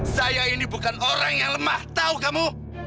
saya ini bukan orang yang lemah tahu kamu